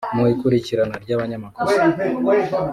mu ikurikirana ry’ abanyamakosa